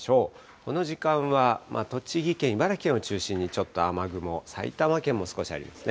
この時間は、栃木県、茨城県を中心に、ちょっと雨雲、埼玉県も少しありますね。